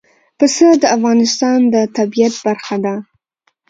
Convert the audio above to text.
پسه د افغانستان د طبیعت برخه ده.